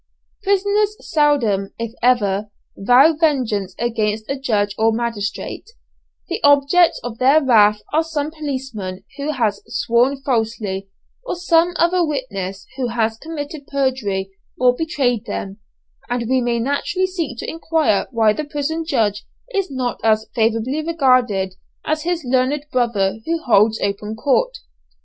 Prisoners seldom, if ever, vow vengeance against a judge or a magistrate; the objects of their wrath are some policeman who has sworn falsely, or some other witness who has committed perjury or betrayed them; and we may naturally seek to inquire why the prison judge is not as favourably regarded as his learned brother who holds open court?